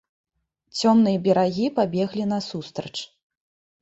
Цёмныя берагі пабеглі насустрач.